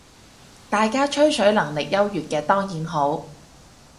大家吹水能力優越嘅當然好